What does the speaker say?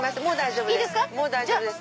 もう大丈夫です。